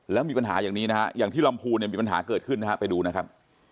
แล้วมีปัญหาอย่างนี้นะครับอย่างที่ลำภูมิมีปัญหาเกิดขึ้นนะครับไปดูนะครับ